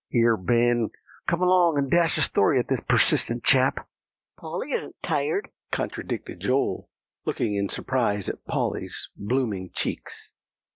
"Here, Ben, come along, and dash a story at this persistent chap." "Polly isn't tired," contradicted Joel, looking in surprise at Polly's blooming cheeks.